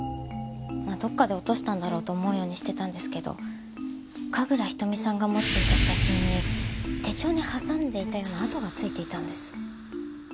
どこかで落としたんだろうと思うようにしてたんですけど神楽瞳さんが持っていた写真に手帳に挟んでいたような跡が付いていたんです。